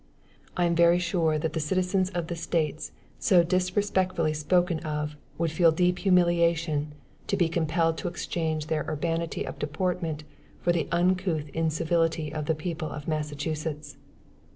I am very sure, that the citizens of the States so disrespectfully spoken of, would feel a deep humiliation, to be compelled to exchange their urbanity of deportment, for the uncouth incivility of the people of Massachusetts.